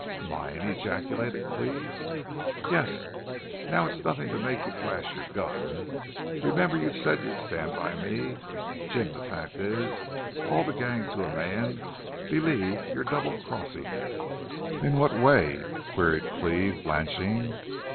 "Mine?" ejaculated Cleve. "Yes. Now it's nothing to make you flash your gun. Remember you said you'd stand by me.... Jim, the fact is all the gang to a man believe you're double crossing me!" "In what way?" queried Cleve, blanching.